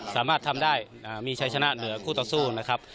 สามารถทำได้มีชัยชนะเหนือคู่ต่อสู้นะครับ